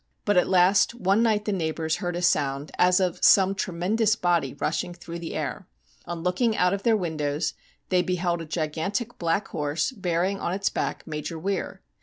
But, at last, one night the neighbours heard a sound as of some tremendous body rushing through the air. On looking out of their windows they beheld Sk gigantic black horse, bearing on its back Major Weir.